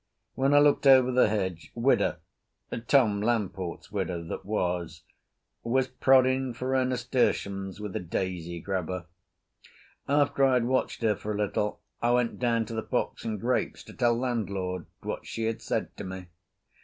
When I looked over the hedge, widow Tom Lamport's widow that was was prodding for her nasturtiums with a daisy grubber. After I had watched her for a little I went down to the "Fox and Grapes" to tell landlord what she had said to me.